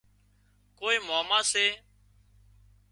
ڪوئي ماما سي